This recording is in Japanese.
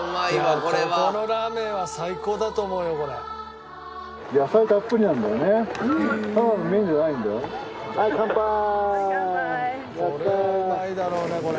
「これはうまいだろうねこれ」